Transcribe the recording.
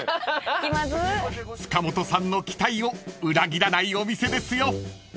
［塚本さんの期待を裏切らないお店ですよ］